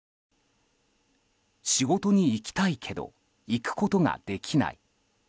仕事に行きたいけど行くことができない。